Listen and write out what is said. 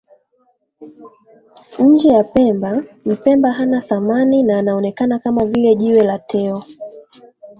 Nje ya Pemba Mpemba hana thamani na anaonekana kama vile jiwe la teo